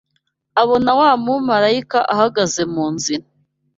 abona wa mumarayika ahagaze mu nzira